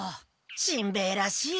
しんべヱらしい。